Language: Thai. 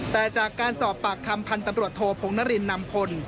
แต่จากการสอบปากคำพันธุ์ตำรวจโทพงนรินนำพล